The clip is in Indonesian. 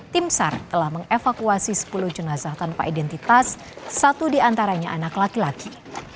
tim sar telah mengevakuasi sepuluh jenazah tanpa identitas satu diantaranya anak laki laki